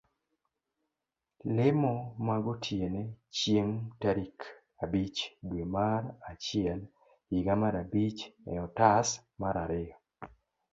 lemo magotiene chieng' tarik abich dwe mar achiel higa mar abich eotas mar ariyo